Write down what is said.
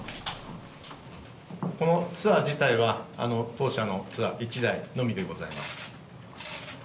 このツアー自体は当社のツアー１台のみでございます。